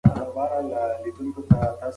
که ښوونه ښه وي، ټولنه پرمختګ کوي.